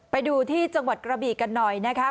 ไปดูที่จังหวัดกระบีกันหน่อยนะคะ